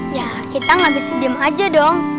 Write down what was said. ya kita gak bisa diem aja dong